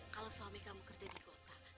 kalau suami kamu kerja di kota